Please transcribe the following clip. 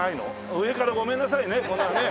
上からごめんなさいねこんなね。